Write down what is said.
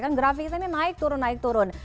kan grafik ini naik turun naik turun